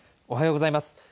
おはようございます。